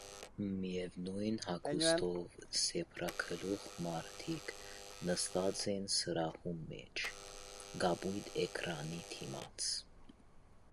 Միևնույն հագուստով սափրագլուխ մարդիկ նստած են սրահում մեծ կապույտ էկրանի դիմաց։